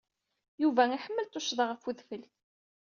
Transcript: Yuba iḥemmel tuccga ɣef udfel.